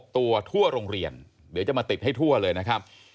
ตัวทั่วโรงเรียนเดี๋ยวจะมาติดให้ทั่วเลยนะครับ